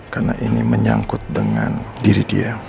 karena ini menyangkut dengan diri dia